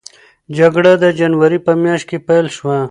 جګړه د جنورۍ په میاشت کې پیل شوه.